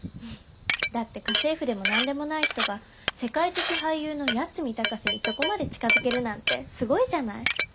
だって家政婦でも何でもない人が世界的俳優の八海崇にそこまで近づけるなんてすごいじゃない。